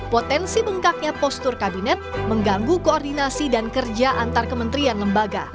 potensi bengkaknya postur kabinet mengganggu koordinasi dan kerja antar kementerian lembaga